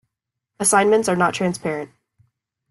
Assignments are not transparent.